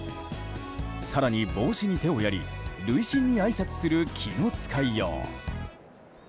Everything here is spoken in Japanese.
さらに帽子に手をやり塁審にあいさつする気の使いよう。